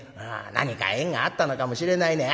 何か縁があったのかもしれないね。